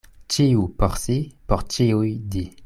Ĉiu por si, por ĉiuj Di'.